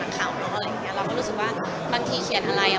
แบบยากที่จะโยงก็โยง